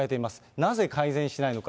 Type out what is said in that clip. なぜ改善しないのか。